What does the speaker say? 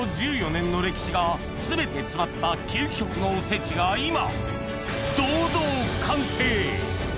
１４年の歴史が全て詰まった究極のおせちが今堂々完成！